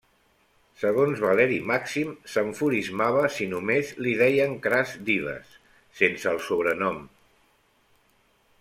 Segons Valeri Màxim, s'enfurismava si només li deien Cras Dives, sense el sobrenom.